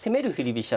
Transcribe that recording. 飛車